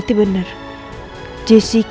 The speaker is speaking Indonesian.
setelah atau ketika